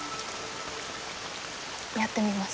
やってみます。